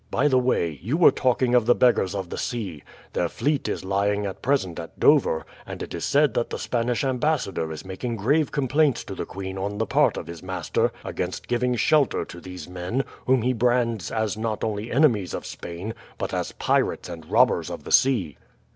By the way, you were talking of the beggars of the sea. Their fleet is lying at present at Dover, and it is said that the Spanish ambassador is making grave complaints to the queen on the part of his master against giving shelter to these men, whom he brands as not only enemies of Spain, but as pirates and robbers of the sea."